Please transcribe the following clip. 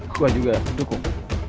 gue juga dukung